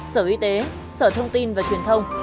sở y tế sở thông tin và truyền thông